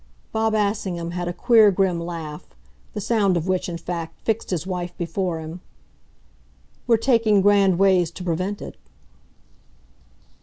Bob Assingham had a queer grim laugh; the sound of which, in fact, fixed his wife before him. "We're taking grand ways to prevent it."